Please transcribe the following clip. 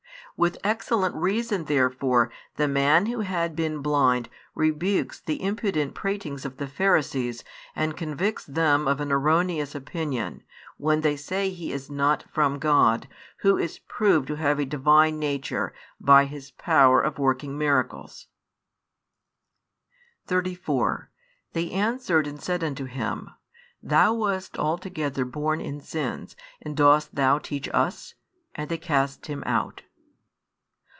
With excellent reason therefore the man who had been blind rebukes the impudent pratings of the Pharisees and convicts them of an erroneous opinion, when they say He is not from God Who is proved to have a Divine Nature by His power of working miracles. 34 They answered and said unto him, Thou wast altogether born in sins, and dost thou teach us? And they cast him out.